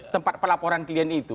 tempat pelaporan klien itu